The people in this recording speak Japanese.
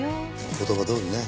言葉どおりね。